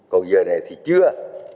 còn giờ này thì chưa